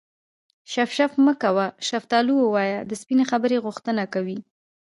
شف شف مه کوه شفتالو ووایه د سپینې خبرې غوښتنه کوي